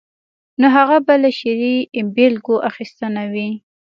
نو هغه به له شعري بېلګو اخیستنه وي.